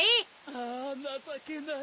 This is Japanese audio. あなさけない。